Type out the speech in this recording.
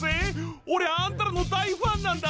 俺あんたらの大ファンなんだ。